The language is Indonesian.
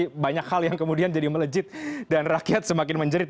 tapi banyak hal yang kemudian jadi melejit dan rakyat semakin menjerit